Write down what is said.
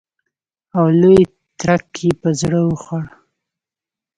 او لوی تړک یې په زړه وخوړ.